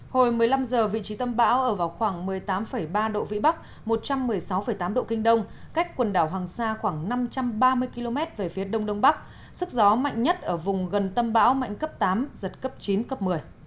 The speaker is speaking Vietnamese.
hồi một mươi năm h vị trí tâm bão ở vào khoảng một mươi tám ba độ vĩ bắc một trăm một mươi sáu tám độ kinh đông cách quần đảo hoàng sa khoảng năm trăm ba mươi km về phía đông đông bắc sức gió mạnh nhất ở vùng gần tâm bão mạnh cấp tám giật cấp chín cấp một mươi